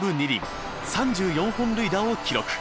３４本塁打を記録。